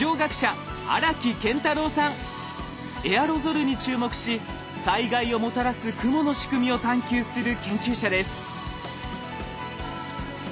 エアロゾルに注目し災害をもたらす雲の仕組みを探究する研究者です。